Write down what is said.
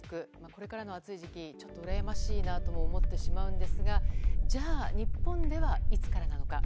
これからの暑い時期羨ましいなとも思ってしまうんですがじゃあ、日本ではいつからなのか。